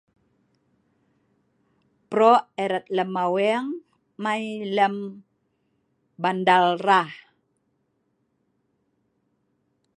Pro' erat lem Aweng mai lem bandar rah